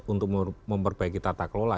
untuk memperbaiki tata kelola